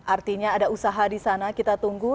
artinya ada usaha disana kita tunggu